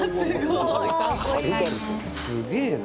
すげえな！